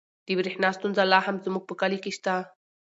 د برښنا ستونزه لا هم زموږ په کلي کې شته.